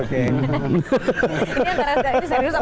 ini serius apakah sih gitu loh